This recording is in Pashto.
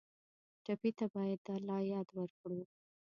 ټپي ته باید د الله یاد ورکړو.